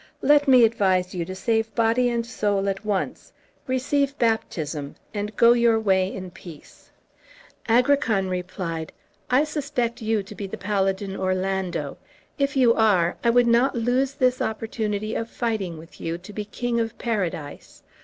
Let me advise you to save body and soul at once. Receive baptism, and go your way in peace." Agrican replied: "I suspect you to be the paladin Orlando. If you are I would not lose this opportunity of fighting with you to be king of Paradise.